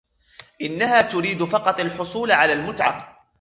إنها تريد فقط الحصول على المتعة.